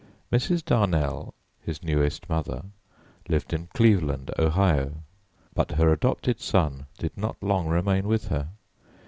Mrs. Darnell, his newest mother, lived in Cleveland, Ohio. But her adopted son did not long remain with her.